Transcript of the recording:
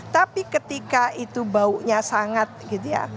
tapi ketika itu baunya sangat gitu ya